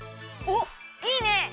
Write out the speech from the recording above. おっいいね！